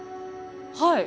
はい。